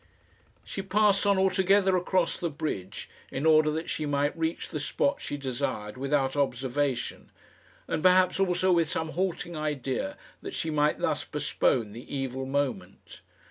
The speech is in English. She passed on altogether across the bridge, in order that she might reach the spot she desired without observation and perhaps also with some halting idea that she might thus postpone the evil moment.